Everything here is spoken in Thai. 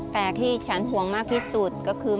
แต่ที่ฉันห่วงมากที่สุดก็คือ